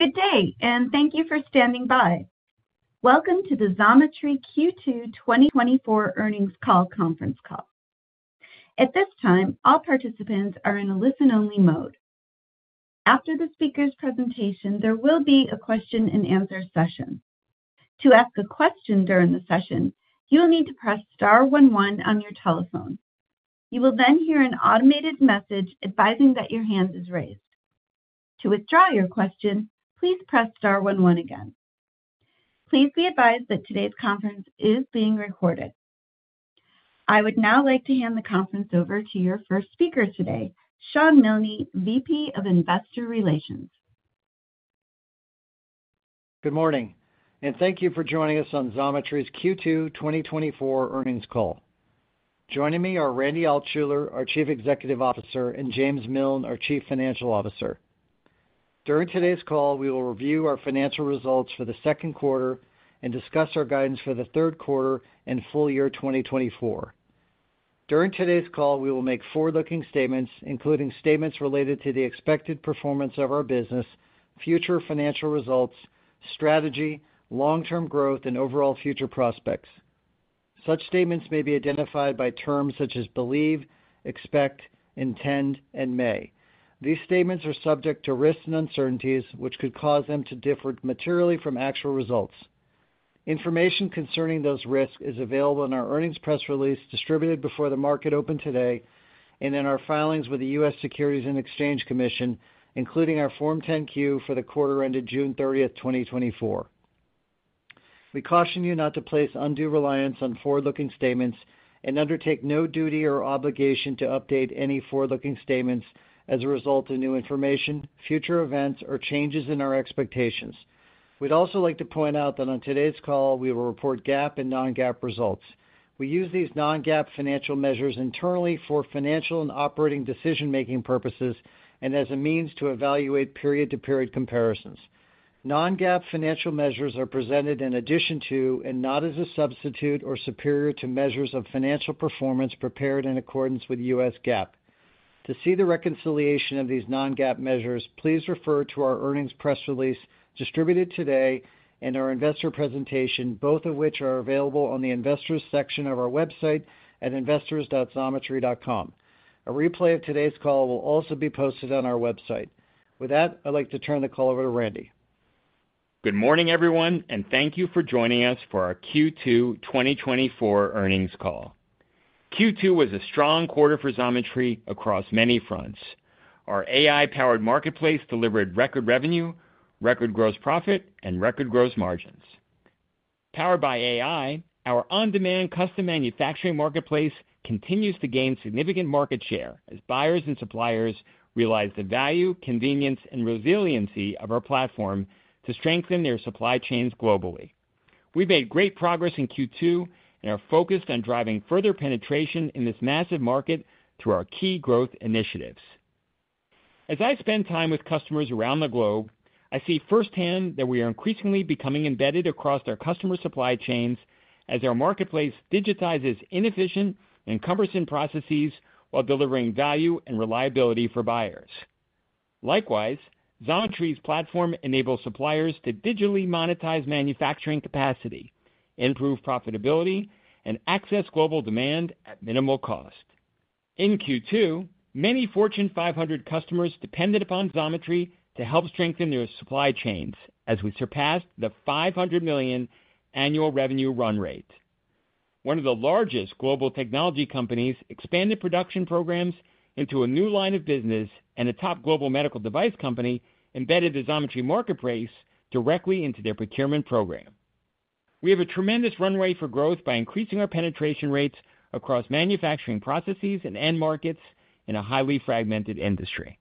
Good day, and thank you for standing by. Welcome to the Xometry Q2 2024 earnings call conference call. At this time, all participants are in a listen-only mode. After the speaker's presentation, there will be a question-and-answer session. To ask a question during the session, you will need to press star one one on your telephone. You will then hear an automated message advising that your hand is raised. To withdraw your question, please press star one one again. Please be advised that today's conference is being recorded. I would now like to hand the conference over to your first speaker today, Shawn Milne, VP of Investor Relations. Good morning, and thank you for joining us on Xometry's Q2 2024 earnings call. Joining me are Randy Altschuler, our Chief Executive Officer, and James Miln, our Chief Financial Officer. During today's call, we will review our financial results for the second quarter and discuss our guidance for the third quarter and full year 2024. During today's call, we will make forward-looking statements, including statements related to the expected performance of our business, future financial results, strategy, long-term growth, and overall future prospects. Such statements may be identified by terms such as believe, expect, intend, and may. These statements are subject to risks and uncertainties, which could cause them to differ materially from actual results. Information concerning those risks is available in our earnings press release, distributed before the market opened today, and in our filings with the U.S. Securities and Exchange Commission, including our Form 10-Q for the quarter ended June 30, 2024. We caution you not to place undue reliance on forward-looking statements and undertake no duty or obligation to update any forward-looking statements as a result of new information, future events, or changes in our expectations. We'd also like to point out that on today's call, we will report GAAP and non-GAAP results. We use these non-GAAP financial measures internally for financial and operating decision-making purposes and as a means to evaluate period-to-period comparisons. Non-GAAP financial measures are presented in addition to and not as a substitute or superior to measures of financial performance prepared in accordance with U.S. GAAP. To see the reconciliation of these non-GAAP measures, please refer to our earnings press release distributed today and our investor presentation, both of which are available on the Investors section of our website at investors.xometry.com. A replay of today's call will also be posted on our website. With that, I'd like to turn the call over to Randy. Good morning, everyone, and thank you for joining us for our Q2 2024 earnings call. Q2 was a strong quarter for Xometry across many fronts. Our AI-powered marketplace delivered record revenue, record gross profit, and record gross margins. Powered by AI, our on-demand custom manufacturing marketplace continues to gain significant market share as buyers and suppliers realize the value, convenience, and resiliency of our platform to strengthen their supply chains globally. We've made great progress in Q2 and are focused on driving further penetration in this massive market through our key growth initiatives. As I spend time with customers around the globe, I see firsthand that we are increasingly becoming embedded across their customer supply chains as our marketplace digitizes inefficient and cumbersome processes while delivering value and reliability for buyers. Likewise, Xometry's platform enables suppliers to digitally monetize manufacturing capacity, improve profitability, and access global demand at minimal cost. In Q2, many Fortune 500 customers depended upon Xometry to help strengthen their supply chains as we surpassed the $500 million annual revenue run rate. One of the largest global technology companies expanded production programs into a new line of business, and a top global medical device company embedded the Xometry marketplace directly into their procurement program. We have a tremendous runway for growth by increasing our penetration rates across manufacturing processes and end markets in a highly fragmented industry.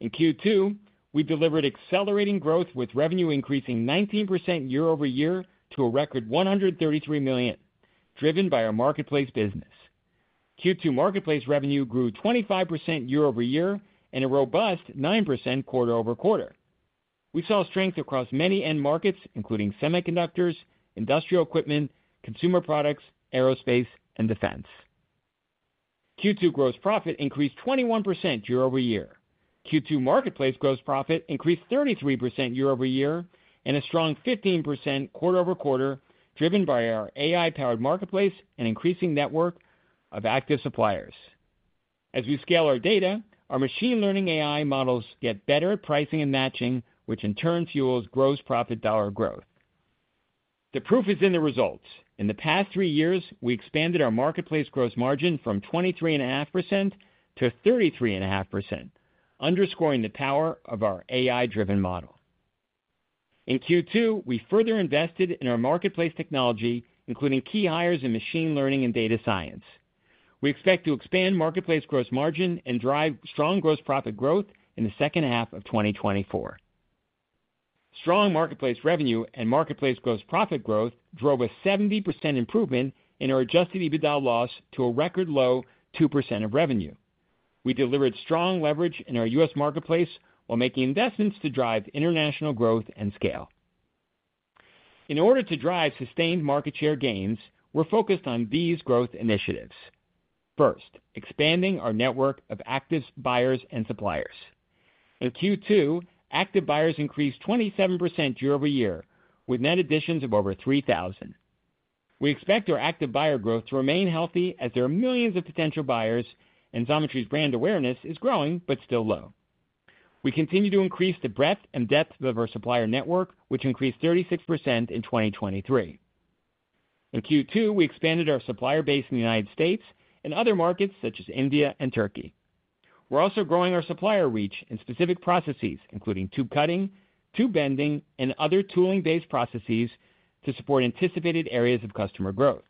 In Q2, we delivered accelerating growth, with revenue increasing 19% year-over-year to a record $133 million, driven by our marketplace business. Q2 marketplace revenue grew 25% year-over-year and a robust 9% quarter-over-quarter. We saw strength across many end markets, including semiconductors, industrial equipment, consumer products, aerospace, and defense. Q2 gross profit increased 21% year-over-year. Q2 marketplace gross profit increased 33% year-over-year and a strong 15% quarter-over-quarter, driven by our AI-powered marketplace and increasing network of active suppliers. As we scale our data, our machine learning AI models get better at pricing and matching, which in turn fuels gross profit dollar growth. The proof is in the results. In the past 3 years, we expanded our marketplace gross margin from 23.5% to 33.5%, underscoring the power of our AI-driven model. In Q2, we further invested in our marketplace technology, including key hires in machine learning and data science. We expect to expand marketplace gross margin and drive strong gross profit growth in the second half of 2024. Strong marketplace revenue and marketplace gross profit growth drove a 70% improvement in our adjusted EBITDA loss to a record low 2% of revenue. We delivered strong leverage in our U.S. marketplace while making investments to drive international growth and scale. In order to drive sustained market share gains, we're focused on these growth initiatives. First, expanding our network of active buyers and suppliers. In Q2, active buyers increased 27% year-over-year, with net additions of over 3,000. We expect our active buyer growth to remain healthy as there are millions of potential buyers, and Xometry's brand awareness is growing, but still low. We continue to increase the breadth and depth of our supplier network, which increased 36% in 2023. In Q2, we expanded our supplier base in the United States and other markets, such as India and Turkey. We're also growing our supplier reach in specific processes, including tube cutting, tube bending, and other tooling-based processes to support anticipated areas of customer growth.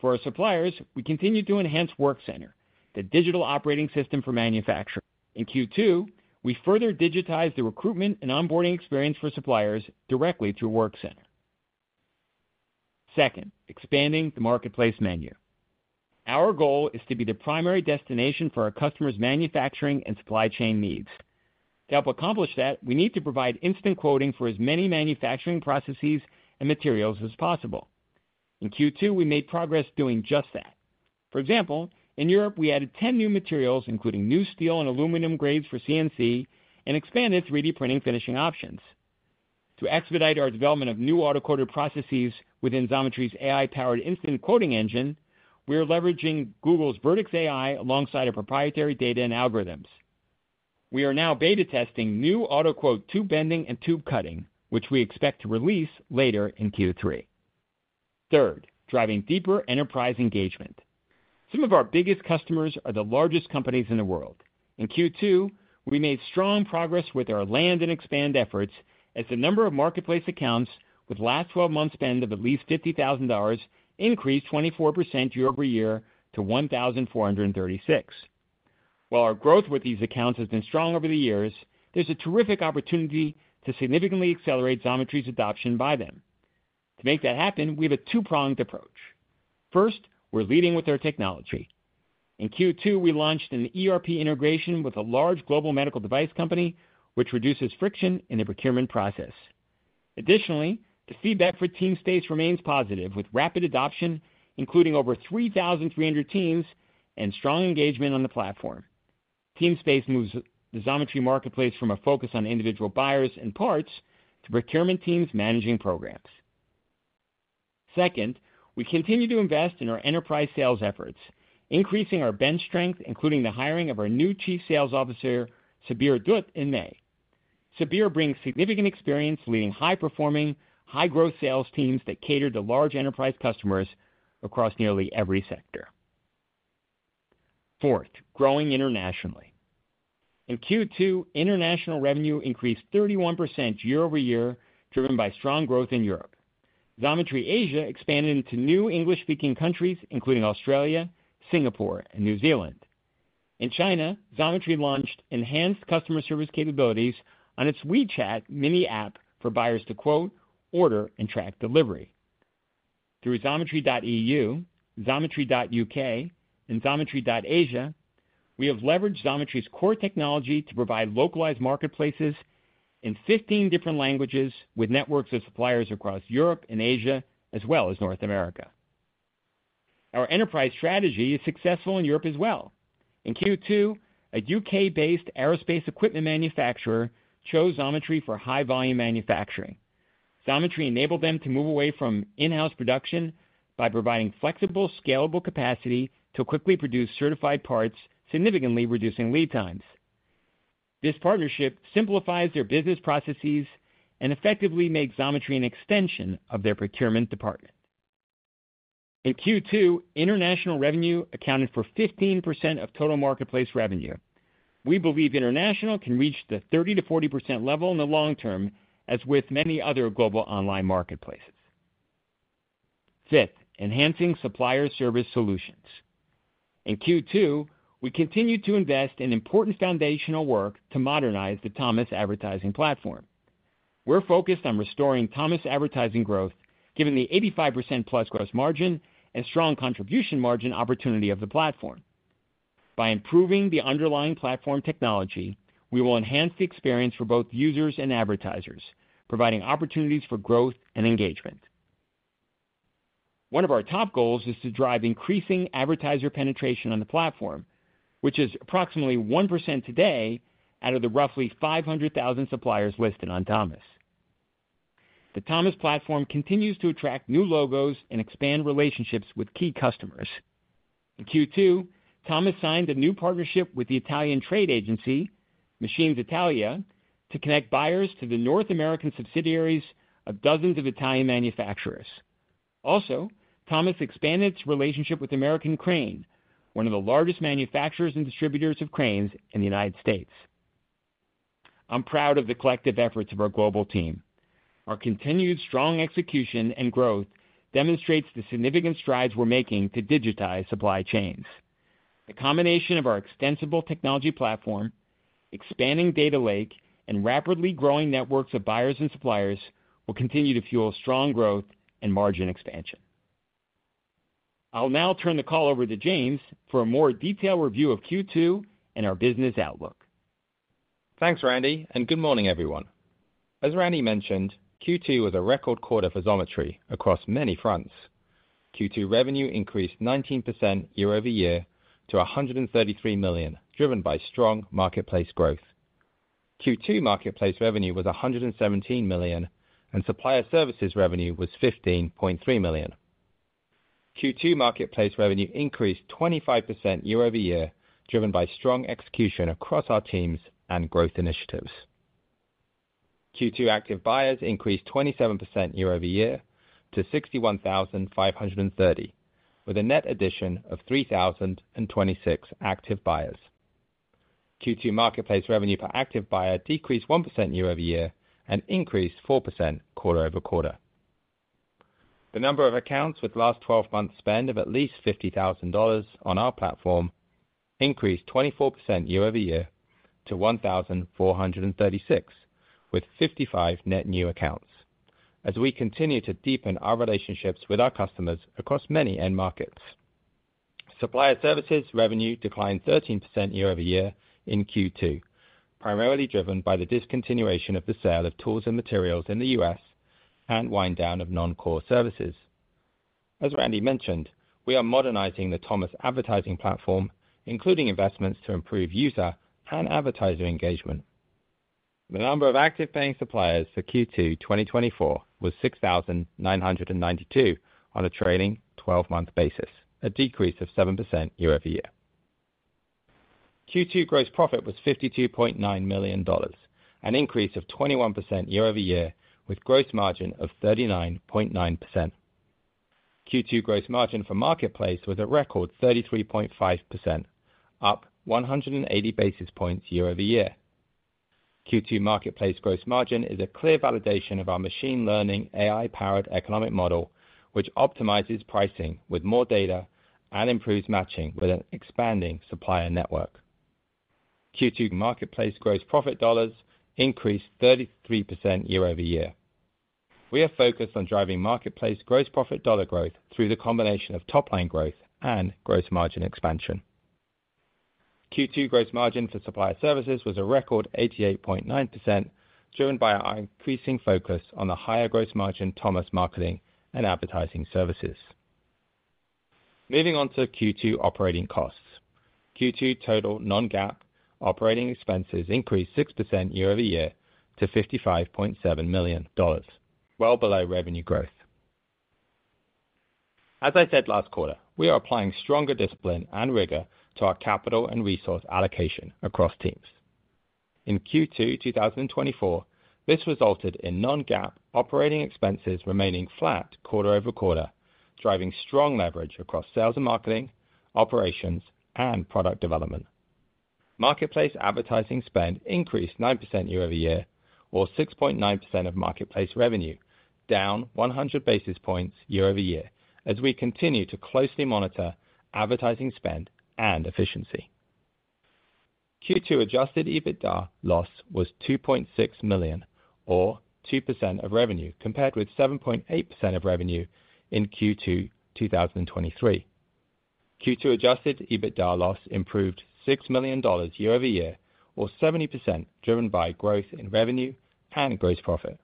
For our suppliers, we continue to enhance Workcenter, the digital operating system for manufacturing. In Q2, we further digitized the recruitment and onboarding experience for suppliers directly through Workcenter. Second, expanding the marketplace menu. Our goal is to be the primary destination for our customers' manufacturing and supply chain needs. To help accomplish that, we need to provide instant quoting for as many manufacturing processes and materials as possible. In Q2, we made progress doing just that. For example, in Europe, we added 10 new materials, including new steel and aluminum grades for CNC, and expanded 3D printing finishing options. To expedite our development of new auto quote processes within Xometry's AI-powered instant quoting engine, we are leveraging Google's Vertex AI alongside our proprietary data and algorithms. We are now beta testing new auto quote tube bending and tube cutting, which we expect to release later in Q3. Third, driving deeper enterprise engagement. Some of our biggest customers are the largest companies in the world. In Q2, we made strong progress with our land and expand efforts as the number of marketplace accounts with last twelve months spend of at least $50,000 increased 24% year-over-year to 1,436. While our growth with these accounts has been strong over the years, there's a terrific opportunity to significantly accelerate Xometry's adoption by them. To make that happen, we have a two-pronged approach. First, we're leading with our technology. In Q2, we launched an ERP integration with a large global medical device company, which reduces friction in the procurement process. Additionally, the feedback for Teamspace remains positive, with rapid adoption, including over 3,300 teams and strong engagement on the platform. Teamspace moves the Xometry marketplace from a focus on individual buyers and parts to procurement teams managing programs. Second, we continue to invest in our enterprise sales efforts, increasing our bench strength, including the hiring of our new Chief Sales Officer, Subir Dutt, in May. Sabir brings significant experience leading high-performing, high-growth sales teams that cater to large enterprise customers across nearly every sector. Fourth, growing internationally. In Q2, international revenue increased 31% year-over-year, driven by strong growth in Europe. Xometry Asia expanded into new English-speaking countries, including Australia, Singapore, and New Zealand. In China, Xometry launched enhanced customer service capabilities on its WeChat mini app for buyers to quote, order, and track delivery. Through xometry.eu, xometry.uk, and xometry.asia, we have leveraged Xometry's core technology to provide localized marketplaces in 15 different languages with networks of suppliers across Europe and Asia, as well as North America. Our enterprise strategy is successful in Europe as well. In Q2, a UK-based aerospace equipment manufacturer chose Xometry for high-volume manufacturing. Xometry enabled them to move away from in-house production by providing flexible, scalable capacity to quickly produce certified parts, significantly reducing lead times. This partnership simplifies their business processes and effectively makes Xometry an extension of their procurement department. In Q2, international revenue accounted for 15% of total marketplace revenue. We believe international can reach the 30%-40% level in the long term, as with many other global online marketplaces. Fifth, enhancing supplier service solutions. In Q2, we continued to invest in important foundational work to modernize the Thomas advertising platform. We're focused on restoring Thomas advertising growth, given the 85%+ gross margin and strong contribution margin opportunity of the platform. By improving the underlying platform technology, we will enhance the experience for both users and advertisers, providing opportunities for growth and engagement. One of our top goals is to drive increasing advertiser penetration on the platform, which is approximately 1% today out of the roughly 500,000 suppliers listed on Thomas. The Thomas platform continues to attract new logos and expand relationships with key customers. In Q2, Thomas signed a new partnership with the Italian trade agency, Machines Italia, to connect buyers to the North American subsidiaries of dozens of Italian manufacturers. Also, Thomas expanded its relationship with American Crane, one of the largest manufacturers and distributors of cranes in the United States. I'm proud of the collective efforts of our global team. Our continued strong execution and growth demonstrates the significant strides we're making to digitize supply chains. The combination of our extensible technology platform, expanding data lake, and rapidly growing networks of buyers and suppliers will continue to fuel strong growth and margin expansion.... I'll now turn the call over to James for a more detailed review of Q2 and our business outlook. Thanks, Randy, and good morning, everyone. As Randy mentioned, Q2 was a record quarter for Xometry across many fronts. Q2 revenue increased 19% year-over-year, to $133 million, driven by strong marketplace growth. Q2 marketplace revenue was $117 million, and supplier services revenue was $15.3 million. Q2 marketplace revenue increased 25% year-over-year, driven by strong execution across our teams and growth initiatives. Q2 active buyers increased 27% year-over-year to 61,530, with a net addition of 3,026 active buyers. Q2 marketplace revenue per active buyer decreased 1% year-over-year and increased 4% quarter-over-quarter. The number of accounts with last twelve months spend of at least $50,000 on our platform increased 24% year-over-year to 1,436, with 55 net new accounts. As we continue to deepen our relationships with our customers across many end markets. Supplier services revenue declined 13% year-over-year in Q2, primarily driven by the discontinuation of the sale of tools and materials in the U.S., and wind down of non-core services. As Randy mentioned, we are modernizing the Thomas advertising platform, including investments to improve user and advertiser engagement. The number of active paying suppliers for Q2 2024 was 6,992 on a trailing twelve-month basis, a decrease of 7% year-over-year. Q2 gross profit was $52.9 million, an increase of 21% year-over-year, with gross margin of 39.9%. Q2 gross margin for Marketplace was a record 33.5%, up 180 basis points year-over-year. Q2 marketplace gross margin is a clear validation of our machine learning AI-powered economic model, which optimizes pricing with more data and improves matching with an expanding supplier network. Q2 marketplace gross profit dollars increased 33% year-over-year. We are focused on driving marketplace gross profit dollar growth through the combination of top line growth and gross margin expansion. Q2 gross margin for supplier services was a record 88.9%, driven by our increasing focus on the higher gross margin Thomas marketing and advertising services. Moving on to Q2 operating costs. Q2 total non-GAAP operating expenses increased 6% year-over-year to $55.7 million, well below revenue growth. As I said last quarter, we are applying stronger discipline and rigor to our capital and resource allocation across teams. In Q2 2024, this resulted in non-GAAP operating expenses remaining flat quarter-over-quarter, driving strong leverage across sales and marketing, operations, and product development. Marketplace advertising spend increased 9% year-over-year, or 6.9% of marketplace revenue, down 100 basis points year-over-year, as we continue to closely monitor advertising spend and efficiency. Q2 adjusted EBITDA loss was $2.6 million, or 2% of revenue, compared with 7.8% of revenue in Q2 2023. Q2 adjusted EBITDA loss improved $6 million year-over-year, or 70%, driven by growth in revenue and gross profit.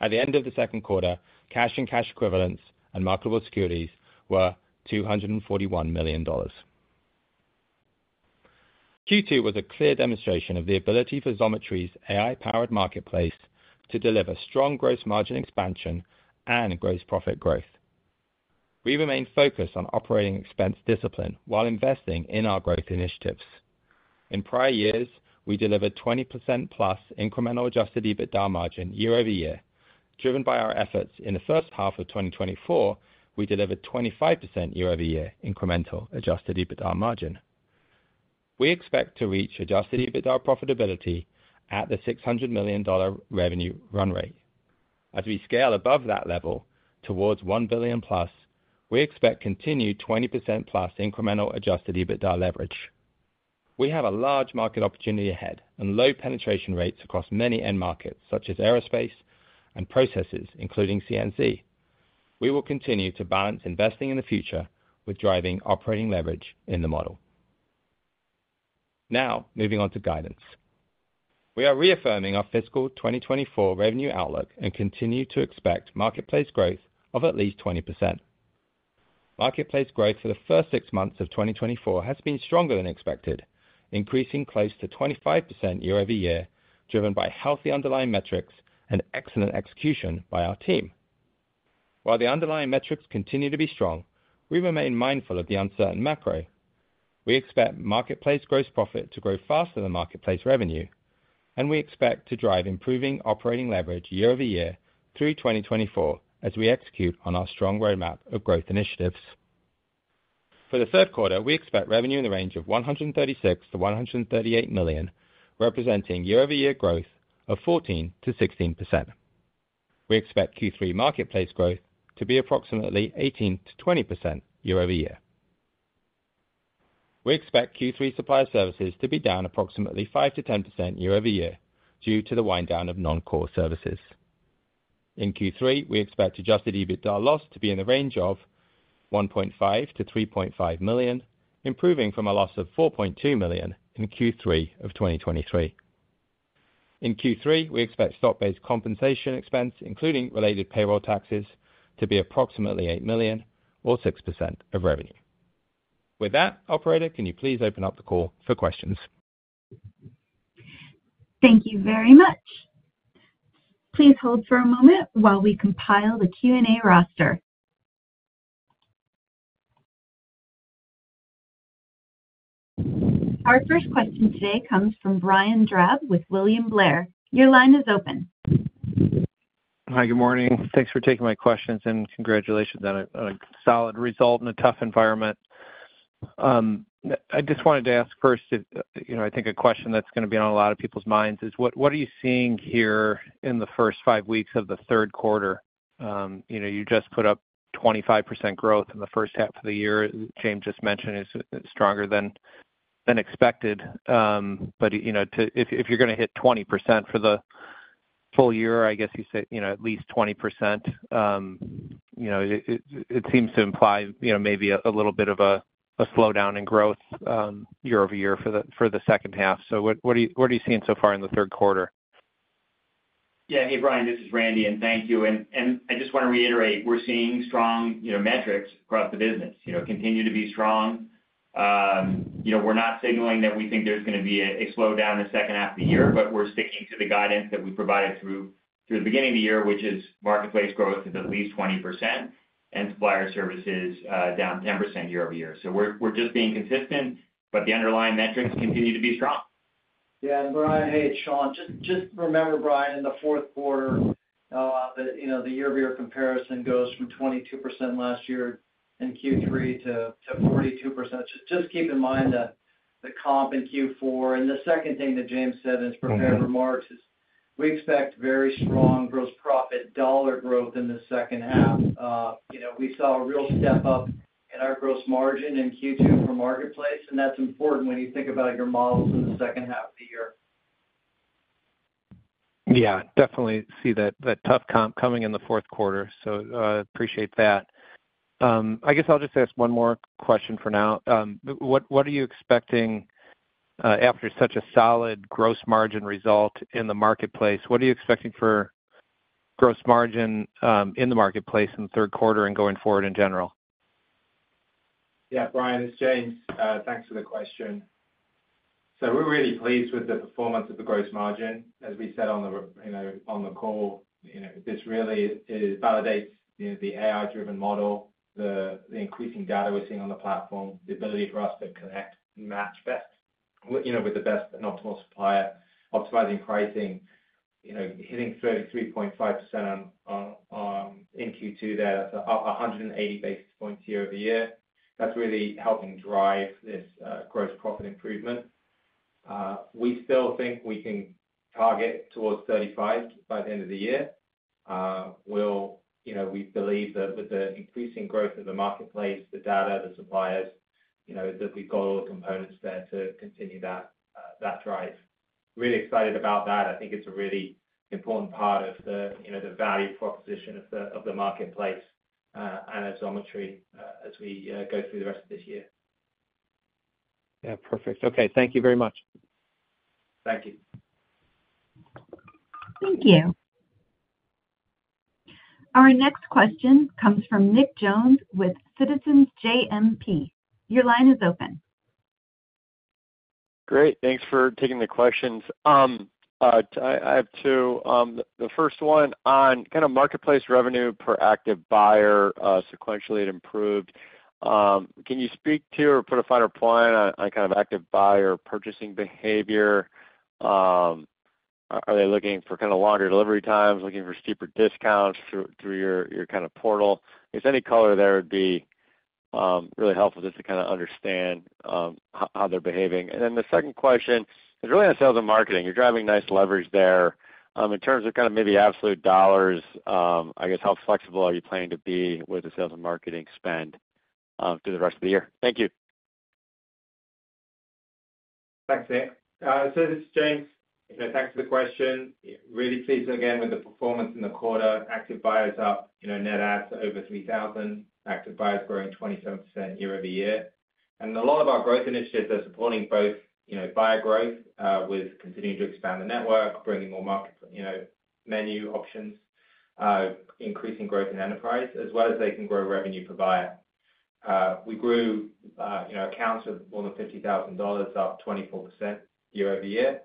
At the end of the second quarter, cash and cash equivalents and marketable securities were $241 million. Q2 was a clear demonstration of the ability for Xometry's AI-powered marketplace to deliver strong gross margin expansion and gross profit growth. We remain focused on operating expense discipline while investing in our growth initiatives. In prior years, we delivered 20%+ incremental adjusted EBITDA margin year-over-year, driven by our efforts. In the first half of 2024, we delivered 25% year-over-year incremental adjusted EBITDA margin. We expect to reach adjusted EBITDA profitability at the $600 million revenue run rate. As we scale above that level, towards $1 billion+, we expect continued 20%+ incremental adjusted EBITDA leverage. We have a large market opportunity ahead and low penetration rates across many end markets, such as aerospace and processes, including CNC. We will continue to balance investing in the future with driving operating leverage in the model. Now, moving on to guidance. We are reaffirming our fiscal 2024 revenue outlook and continue to expect marketplace growth of at least 20%. Marketplace growth for the first six months of 2024 has been stronger than expected, increasing close to 25% year-over-year, driven by healthy underlying metrics and excellent execution by our team. While the underlying metrics continue to be strong, we remain mindful of the uncertain macro. We expect marketplace gross profit to grow faster than marketplace revenue, and we expect to drive improving operating leverage year-over-year through 2024 as we execute on our strong roadmap of growth initiatives. For the third quarter, we expect revenue in the range of $136 million-$138 million, representing year-over-year growth of 14%-16%. We expect Q3 marketplace growth to be approximately 18%-20% year-over-year. We expect Q3 supplier services to be down approximately 5%-10% year-over-year, due to the wind-down of non-core services. In Q3, we expect adjusted EBITDA loss to be in the range of $1.5 million-$3.5 million, improving from a loss of $4.2 million in Q3 of 2023. In Q3, we expect stock-based compensation expense, including related payroll taxes, to be approximately $8 million or 6% of revenue. With that, operator, can you please open up the call for questions? Thank you very much. Please hold for a moment while we compile the Q&A roster. Our first question today comes from Brian Drab with William Blair. Your line is open. Hi, good morning. Thanks for taking my questions, and congratulations on a solid result in a tough environment. I just wanted to ask first if, you know, I think a question that's gonna be on a lot of people's minds is: what are you seeing here in the first five weeks of the third quarter? You know, you just put up 25% growth in the first half of the year. James just mentioned it's stronger than expected. But, you know, if you're gonna hit 20% for the full year, I guess you said, you know, at least 20%, you know, it seems to imply, you know, maybe a little bit of a slowdown in growth, year-over-year for the second half. So, what are you seeing so far in the third quarter? Yeah. Hey, Brian, this is Randy, and thank you. And I just wanna reiterate, we're seeing strong, you know, metrics across the business, you know, continue to be strong. You know, we're not signaling that we think there's gonna be a slowdown in the second half of the year, but we're sticking to the guidance that we provided through the beginning of the year, which is marketplace growth is at least 20% and supplier services down 10% year-over-year. So we're just being consistent, but the underlying metrics continue to be strong. Yeah, and Brian, hey, it's Sean. Just, just remember, Brian, in the fourth quarter, you know, the year-over-year comparison goes from 22% last year in Q3 to 42%. So just keep in mind that the comp in Q4 and the second thing that James said in his prepared remarks is, we expect very strong gross profit dollar growth in the second half. You know, we saw a real step up in our gross margin in Q2 for Marketplace, and that's important when you think about your models in the second half of the year. Yeah, definitely see that, that tough comp coming in the fourth quarter, so, appreciate that. I guess I'll just ask one more question for now. What, what are you expecting after such a solid gross margin result in the marketplace? What are you expecting for gross margin in the marketplace in the third quarter and going forward in general? Yeah, Brian, it's James. Thanks for the question. So we're really pleased with the performance of the gross margin. As we said on the, you know, on the call, you know, this really is, validates, you know, the AI-driven model, the, the increasing data we're seeing on the platform, the ability for us to connect, match best, you know, with the best and optimal supplier, optimizing pricing, you know, hitting 33.5% in Q2 there, up 180 basis points year-over-year. That's really helping drive this, gross profit improvement. We still think we can target towards 35% by the end of the year. We'll, you know, we believe that with the increasing growth of the marketplace, the data, the suppliers, you know, that we've got all the components there to continue that, that drive. Really excited about that. I think it's a really important part of the, you know, the value proposition of the, of the marketplace, and at Xometry, as we, go through the rest of this year. Yeah, perfect. Okay, thank you very much. Thank you. Thank you. Our next question comes from Nick Jones with Citizens JMP. Your line is open. Great. Thanks for taking the questions. I have two. The first one on kind of marketplace revenue per active buyer, sequentially it improved. Can you speak to, or put a finer point on, on kind of active buyer purchasing behavior? Are they looking for kind of longer delivery times, looking for steeper discounts through your kind of portal? If there's any color there, it'd be really helpful just to kind of understand how they're behaving. And then the second question is really on sales and marketing. You're driving nice leverage there. In terms of kind of maybe absolute dollars, I guess, how flexible are you planning to be with the sales and marketing spend through the rest of the year? Thank you. Thanks, Nick. So this is James. You know, thanks for the question. Really pleased again with the performance in the quarter. Active buyers up, you know, net add to over 3,000, active buyers growing 27% year-over-year. And a lot of our growth initiatives are supporting both, you know, buyer growth, with continuing to expand the network, bringing more market, you know, menu options, increasing growth in enterprise, as well as they can grow revenue per buyer. We grew, you know, accounts of more than $50,000, up 24% year-over-year.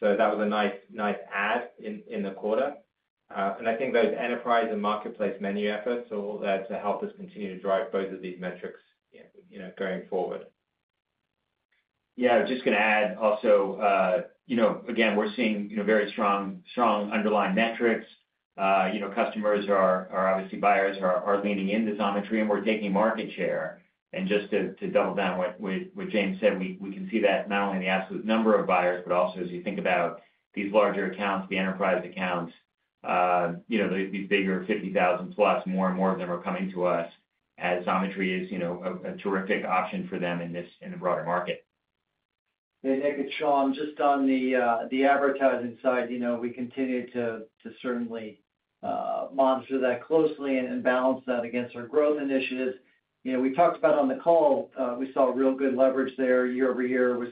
So that was a nice, nice add in, in the quarter. And I think those enterprise and marketplace menu efforts are all there to help us continue to drive both of these metrics, you know, going forward. Yeah, I was just gonna add also, you know, again, we're seeing, you know, very strong, strong underlying metrics. You know, customers are obviously buyers are leaning into Xometry, and we're taking market share. And just to double down what James said, we can see that not only in the absolute number of buyers, but also as you think about these larger accounts, the enterprise accounts—you know, these bigger 50,000+, more and more of them are coming to us as Xometry is, you know, a terrific option for them in this, in the broader market. Hey, Nick, it's Sean. Just on the, the advertising side, you know, we continue to, to certainly, monitor that closely and balance that against our growth initiatives. You know, we talked about on the call, we saw real good leverage there year-over-year. It was,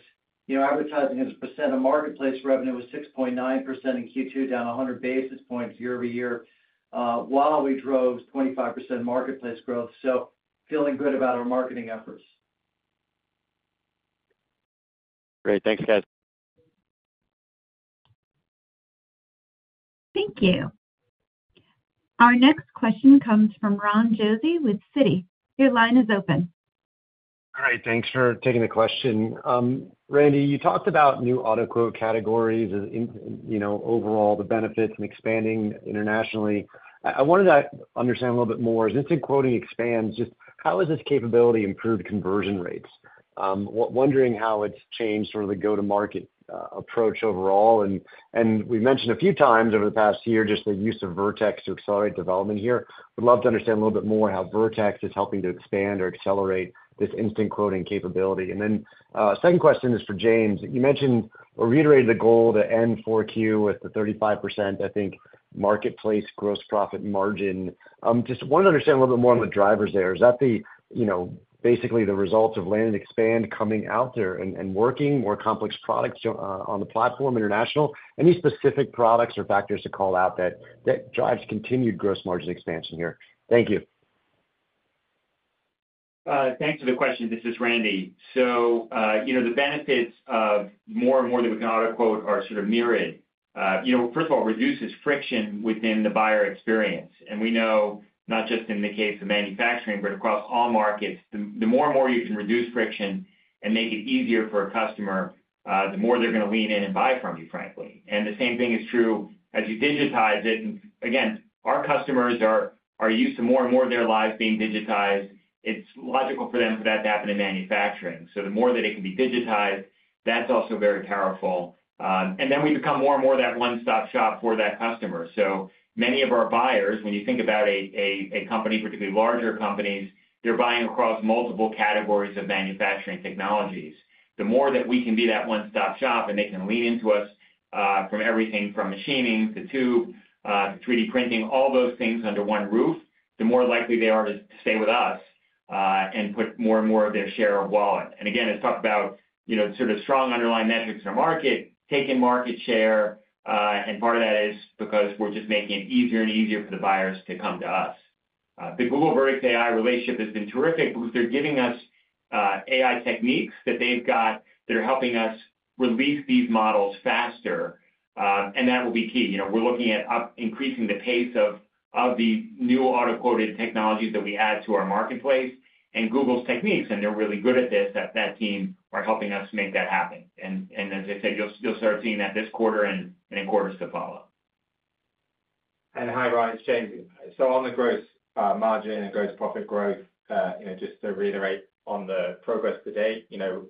you know, advertising as a percent of marketplace revenue was 6.9% in Q2, down 100 basis points year-over-year, while we drove 25% marketplace growth. So feeling good about our marketing efforts. Great. Thanks, guys. Thank you. Our next question comes from Ron Josey with Citi. Your line is open. All right, thanks for taking the question. Randy, you talked about new auto quote categories and, you know, overall, the benefits and expanding internationally. I wanted to understand a little bit more, as instant quoting expands, just how has this capability improved conversion rates? Wondering how it's changed sort of the go-to-market approach overall. And we've mentioned a few times over the past year, just the use of Vertex to accelerate development here. Would love to understand a little bit more how Vertex is helping to expand or accelerate this instant quoting capability. And then, second question is for James. You mentioned or reiterated the goal to end Q4 with the 35%, I think, marketplace gross profit margin. Just wanted to understand a little bit more on the drivers there. Is that, you know, basically the result of land and expand coming out there and working more complex products on the international platform? Any specific products or factors to call out that drives continued gross margin expansion here? Thank you. Thanks for the question. This is Randy. So, you know, the benefits of more and more that we can auto quote are sort of myriad. You know, first of all, reduces friction within the buyer experience, and we know, not just in the case of manufacturing, but across all markets, the more and more you can reduce friction and make it easier for a customer, the more they're gonna lean in and buy from you, frankly. And the same thing is true as you digitize it. And again, our customers are, are used to more and more of their lives being digitized. It's logical for them for that to happen in manufacturing. So the more that it can be digitized, that's also very powerful. And then we become more and more that one-stop shop for that customer. So many of our buyers, when you think about a company, particularly larger companies, they're buying across multiple categories of manufacturing technologies. The more that we can be that one-stop shop, and they can lean into us, from everything from machining to 2, to 3D printing, all those things under one roof, the more likely they are to stay with us, and put more and more of their share of wallet. And again, let's talk about, you know, sort of strong underlying metrics in our market, taking market share, and part of that is because we're just making it easier and easier for the buyers to come to us. The Google Vertex AI relationship has been terrific because they're giving us, AI techniques that they've got that are helping us release these models faster, and that will be key. You know, we're looking at increasing the pace of the new auto-quoted technologies that we add to our marketplace and Google's techniques, and they're really good at this, that team are helping us make that happen. And as I said, you'll start seeing that this quarter and in quarters to follow. Hi, Ron, it's James. So on the gross margin and gross profit growth, you know, just to reiterate on the progress to date, you know,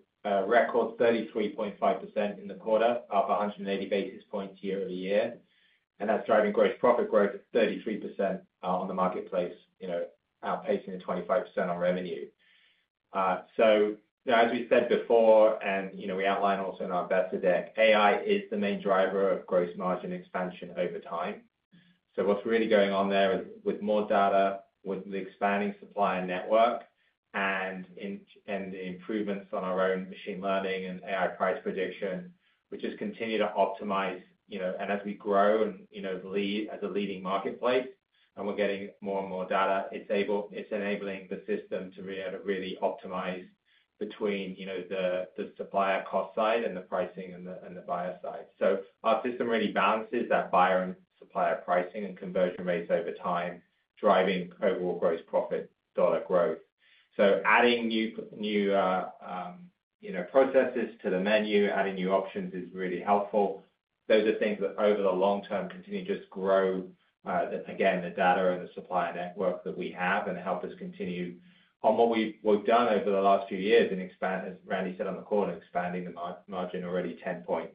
record 33.5% in the quarter, up 180 basis points year-over-year, and that's driving gross profit growth of 33%, you know, on the marketplace, outpacing the 25% on revenue. So as we said before, and, you know, we outlined also in our investor deck, AI is the main driver of gross margin expansion over time. So what's really going on there is with more data, with the expanding supplier network and the improvements on our own machine learning and AI price prediction, which has continued to optimize, you know, and as we grow and, you know, lead as a leading marketplace, and we're getting more and more data, it's enabling the system to be able to really optimize between, you know, the supplier cost side and the pricing and the buyer side. So our system really balances that buyer and supplier pricing and conversion rates over time, driving overall gross profit dollar growth. So adding new processes to the menu, adding new options is really helpful. Those are things that over the long term continue to just grow, again, the data and the supplier network that we have and help us continue on what we've done over the last few years and expand, as Randy said on the call, expanding the margin already 10 points.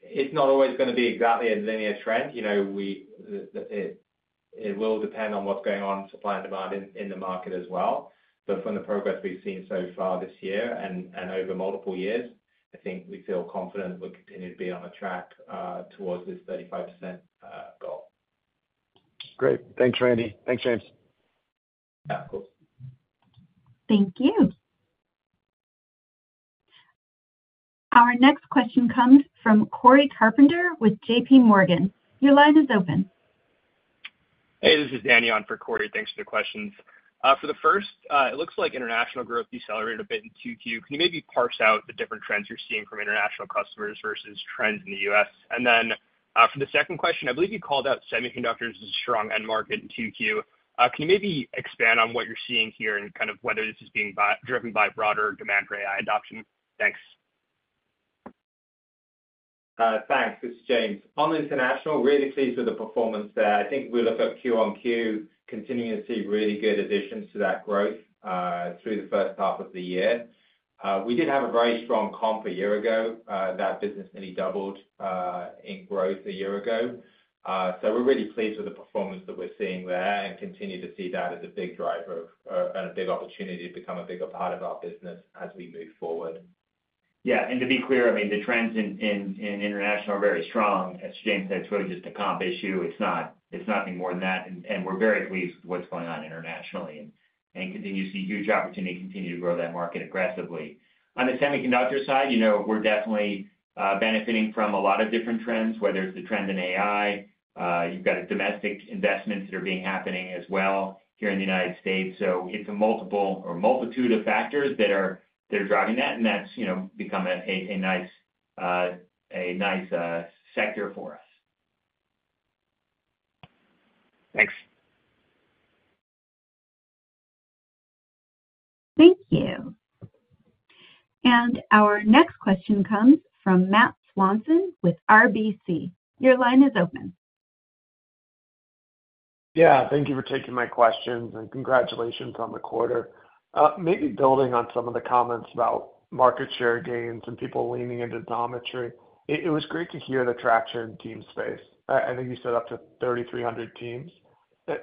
It's not always gonna be exactly a linear trend. You know, it will depend on what's going on in supply and demand in the market as well. But from the progress we've seen so far this year and over multiple years, I think we feel confident we'll continue to be on a track towards this 35% goal. Great. Thanks, Randy. Thanks, James. Yeah, of course. Thank you. Our next question comes from Corey Carpenter with JP Morgan. Your line is open. Hey, this is Danny on for Corey. Thanks for the questions. For the first, it looks like international growth decelerated a bit in Q2. Can you maybe parse out the different trends you're seeing from international customers versus trends in the US? And then, for the second question, I believe you called out semiconductors as a strong end market in Q2. Can you maybe expand on what you're seeing here and kind of whether this is being driven by broader demand for AI adoption? Thanks.... Thanks. It's James. On international, really pleased with the performance there. I think we look at Q-on-Q, continuing to see really good additions to that growth through the first half of the year. We did have a very strong comp a year ago. That business nearly doubled in growth a year ago. So we're really pleased with the performance that we're seeing there and continue to see that as a big driver of, and a big opportunity to become a bigger part of our business as we move forward. Yeah, and to be clear, I mean, the trends in international are very strong. As James said, it's really just a comp issue. It's not, it's nothing more than that, and we're very pleased with what's going on internationally, and continue to see huge opportunity to continue to grow that market aggressively. On the semiconductor side, you know, we're definitely benefiting from a lot of different trends, whether it's the trend in AI, you've got domestic investments that are being happening as well here in the United States. So it's a multiple or multitude of factors that are driving that, and that's, you know, become a nice sector for us. Thanks. Thank you. And our next question comes from Matt Swanson with RBC. Your line is open. Yeah, thank you for taking my questions, and congratulations on the quarter. Maybe building on some of the comments about market share gains and people leaning into Xometry. It was great to hear the traction in Team Space. I think you said up to 3,300 teams.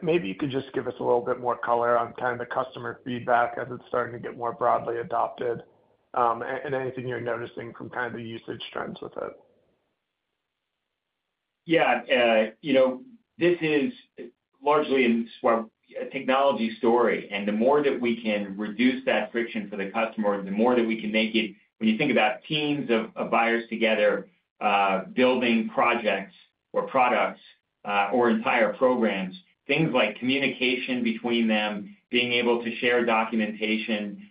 Maybe you could just give us a little bit more color on kind of the customer feedback as it's starting to get more broadly adopted, and anything you're noticing from kind of the usage trends with it. Yeah, you know, this is largely, well, a technology story, and the more that we can reduce that friction for the customer, the more that we can make it. When you think about teams of buyers together, building projects or products, or entire programs, things like communication between them, being able to share documentation,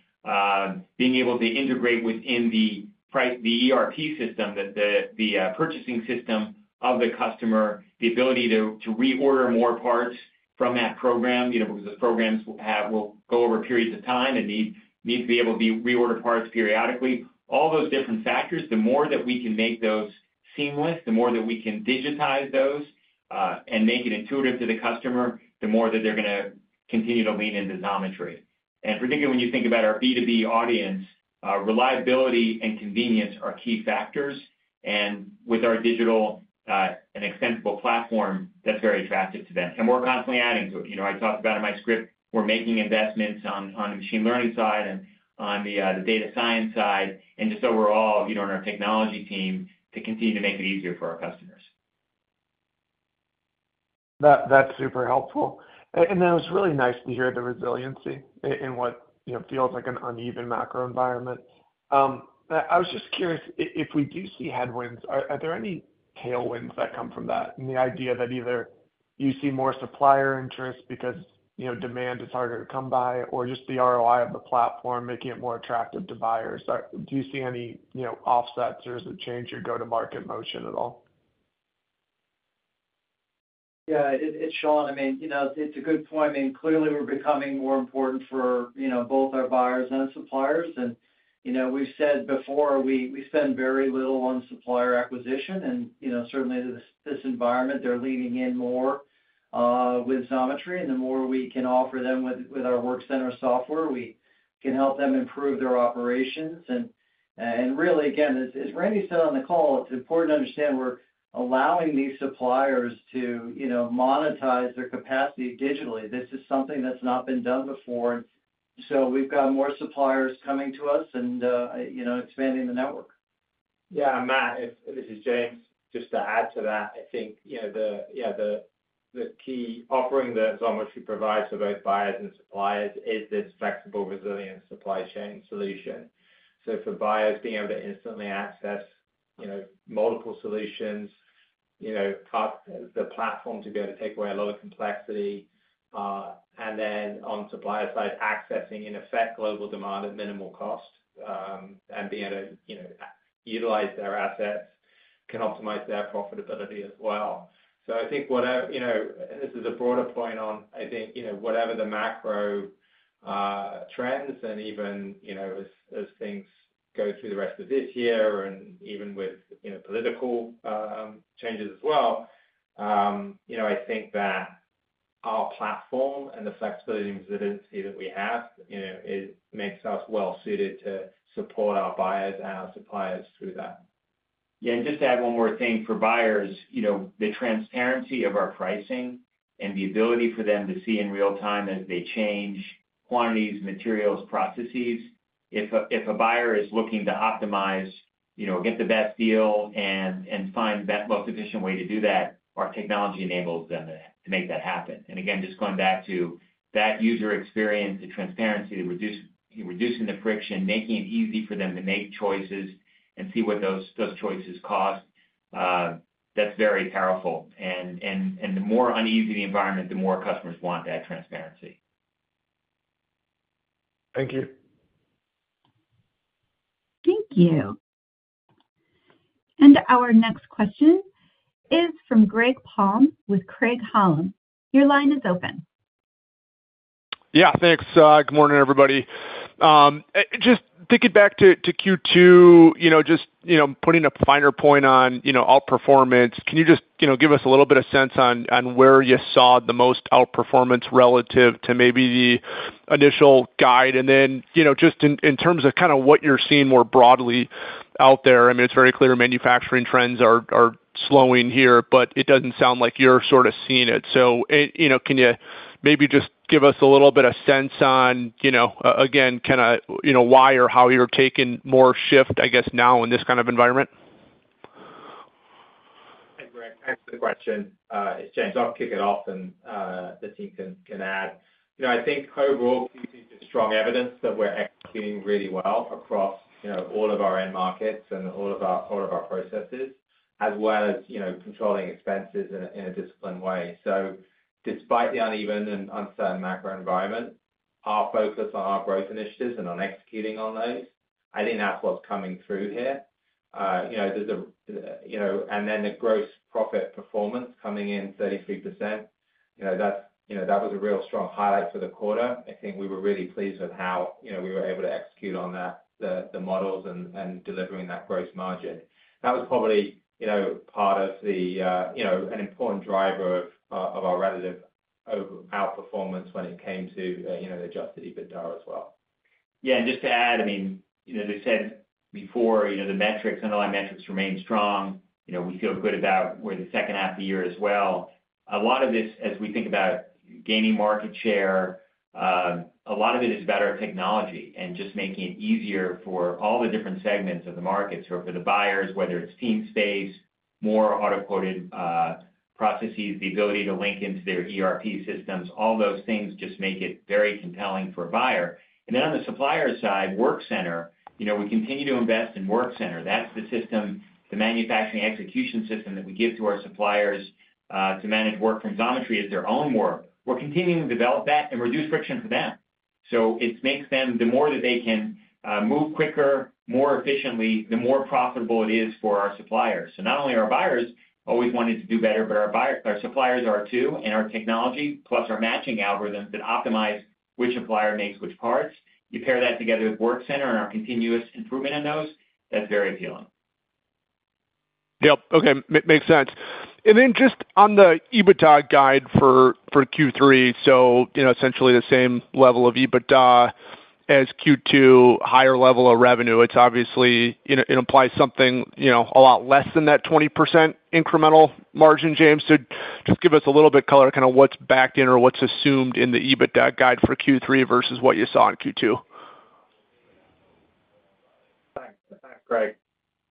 being able to integrate within the ERP system, the purchasing system of the customer, the ability to reorder more parts from that program, you know, because the programs will go over periods of time and need to be able to reorder parts periodically. All those different factors, the more that we can make those seamless, the more that we can digitize those, and make it intuitive to the customer, the more that they're gonna continue to lean into Xometry. Particularly when you think about our B2B audience, reliability and convenience are key factors, and with our digital and extensible platform, that's very attractive to them. We're constantly adding to it. You know, I talked about in my script, we're making investments on the machine learning side and on the data science side, and just overall, you know, in our technology team, to continue to make it easier for our customers. That, that's super helpful. And then it was really nice to hear the resiliency in what, you know, feels like an uneven macro environment. I was just curious, if we do see headwinds, are there any tailwinds that come from that? And the idea that either you see more supplier interest because, you know, demand is harder to come by, or just the ROI of the platform making it more attractive to buyers. Do you see any, you know, offsets, or does it change your go-to-market motion at all? Yeah, Sean, I mean, you know, it's a good point. I mean, clearly, we're becoming more important for, you know, both our buyers and our suppliers. And, you know, we've said before, we spend very little on supplier acquisition, and, you know, certainly, this environment, they're leaning in more with Xometry, and the more we can offer them with our WorkCenter software, we can help them improve their operations. And really, again, as Randy said on the call, it's important to understand we're allowing these suppliers to, you know, monetize their capacity digitally. This is something that's not been done before, so we've got more suppliers coming to us and, you know, expanding the network. Yeah, Matt, this is James. Just to add to that, I think, you know, the key offering that Xometry provides to both buyers and suppliers is this flexible, resilient supply chain solution. So for buyers, being able to instantly access, you know, multiple solutions, you know, the platform to be able to take away a lot of complexity, and then on the supplier side, accessing, in effect, global demand at minimal cost, and being able to, you know, utilize their assets, can optimize their profitability as well. So I think what I, you know, this is a broader point on, I think, you know, whatever the macro, trends and even, you know, as, as things go through the rest of this year and even with, you know, political, changes as well, you know, I think that our platform and the flexibility and resiliency that we have, you know, it makes us well suited to support our buyers and our suppliers through that. Yeah, and just to add one more thing. For buyers, you know, the transparency of our pricing and the ability for them to see in real time as they change quantities, materials, processes, if a buyer is looking to optimize, you know, get the best deal and find the most efficient way to do that, our technology enables them to make that happen. And again, just going back to that user experience, the transparency, reducing the friction, making it easy for them to make choices and see what those choices cost, that's very powerful. And the more uneasy the environment, the more customers want that transparency. Thank you. Thank you. Our next question is from Greg Palm with Craig-Hallum. Your line is open.... Yeah, thanks. Good morning, everybody. Just taking it back to Q2, you know, just putting a finer point on outperformance. Can you just give us a little bit of sense on where you saw the most outperformance relative to maybe the initial guide? And then, just in terms of kind of what you're seeing more broadly out there, I mean, it's very clear manufacturing trends are slowing here, but it doesn't sound like you're sort of seeing it. So, you know, can you maybe just give us a little bit of sense on, again, kind of why or how you're taking more shift, I guess, now in this kind of environment? Hey, Greg, thanks for the question. It's James. I'll kick it off, and the team can add. You know, I think overall, Q2 is strong evidence that we're executing really well across, you know, all of our end markets and all of our processes, as well as, you know, controlling expenses in a disciplined way. So despite the uneven and uncertain macro environment, our focus on our growth initiatives and on executing on those, I think that's what's coming through here. You know, and then the gross profit performance coming in 33%, you know, that's, you know, that was a real strong highlight for the quarter. I think we were really pleased with how, you know, we were able to execute on that, the models and delivering that gross margin. That was probably, you know, part of the, you know, an important driver of, of our relative over outperformance when it came to, you know, the adjusted EBITDA as well. Yeah, and just to add, I mean, you know, as I said before, you know, the metrics, underlying metrics remain strong. You know, we feel good about where the second half of the year is as well. A lot of this, as we think about gaining market share, a lot of it is better technology and just making it easier for all the different segments of the market. So for the buyers, whether it's Team Space, more auto quoted processes, the ability to link into their ERP systems, all those things just make it very compelling for a buyer. And then on the supplier side, WorkCenter, you know, we continue to invest in WorkCenter. That's the system, the manufacturing execution system that we give to our suppliers, to manage work from Xometry as their own work. We're continuing to develop that and reduce friction for them. So it makes them, the more that they can, move quicker, more efficiently, the more profitable it is for our suppliers. So not only are our buyers always wanting to do better, but our buyers-- our suppliers are, too, and our technology plus our matching algorithms that optimize which supplier makes which parts. You pair that together with WorkCenter and our continuous improvement in those, that's very appealing. Yep. Okay, makes sense. And then just on the EBITDA guide for Q3, so, you know, essentially the same level of EBITDA as Q2, higher level of revenue. It's obviously, you know, it implies something, you know, a lot less than that 20% incremental margin, James. So just give us a little bit color, kind of what's backed in or what's assumed in the EBITDA guide for Q3 versus what you saw in Q2. Thanks. Greg,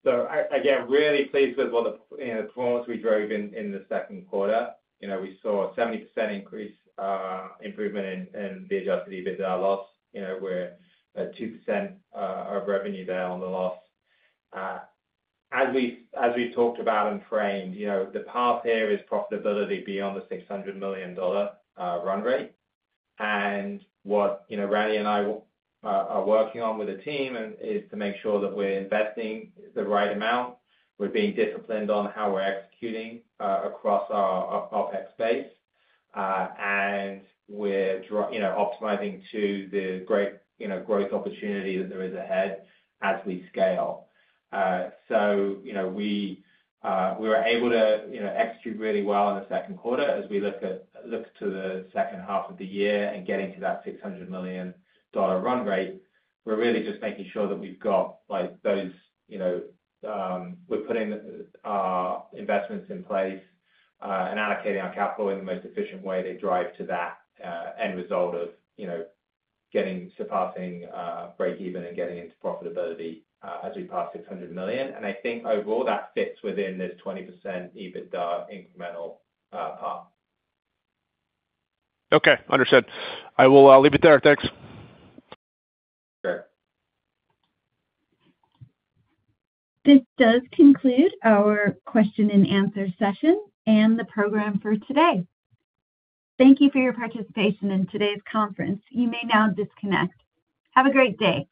so again, really pleased with all the, you know, performance we drove in, in the second quarter. You know, we saw a 70% increase, improvement in, in the adjusted EBITDA loss. You know, we're at 2%, of revenue there on the loss. As we, as we talked about and framed, you know, the path here is profitability beyond the $600 million run rate. And what, you know, Randy and I are working on with the team and is to make sure that we're investing the right amount, we're being disciplined on how we're executing, across our, our OpEx base, and we're You know, optimizing to the great, you know, growth opportunity that there is ahead as we scale. So, you know, we were able to, you know, execute really well in the second quarter as we look to the second half of the year and getting to that $600 million run rate. We're really just making sure that we've got, like, those, you know, we're putting investments in place, and allocating our capital in the most efficient way to drive to that end result of, you know, getting surpassing breakeven and getting into profitability, as we pass $600 million. And I think overall, that fits within this 20% EBITDA incremental path. Okay, understood. I will leave it there. Thanks. Sure. This does conclude our question and answer session and the program for today. Thank you for your participation in today's conference. You may now disconnect. Have a great day!